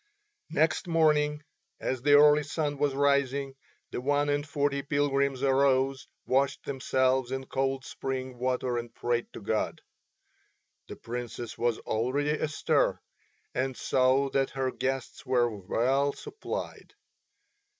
Next morning, as the early sun was rising, the one and forty pilgrims arose, washed themselves in cold spring water and prayed to God. The Princess was already astir and saw that her guests were well supplied.